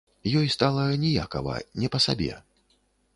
Ёй стала ніякава, не па сабе.